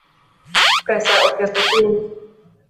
Pesa oketho piny